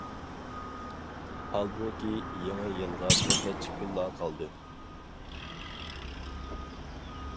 ھالبۇكى، يېڭى يىلغا بىر نەچچە كۈنلا قالدى.